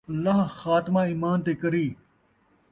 اللہ خاتمہ ایمان تے کری